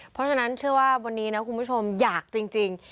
เพราะฉะนั้นเชื่อว่าวันนี้นะคุณผู้ชมอยากจริง